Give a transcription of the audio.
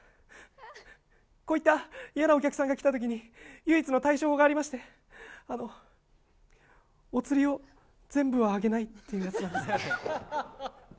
こういった嫌なお客さんが来た時に唯一の対処法がありまして、あの、おつりを全部はあげないっていうやつなんですけど。